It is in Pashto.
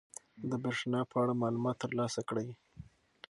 د بریښنا په اړه معلومات ترلاسه کړئ.